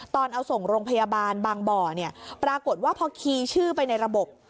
ตอนเอาส่งโรงพยาบาลบางบ่อเนี่ยปรากฏว่าพอคีย์ชื่อไปในระบบ